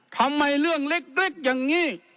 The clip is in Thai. ทำไมเรื่องเล็กอย่างนี้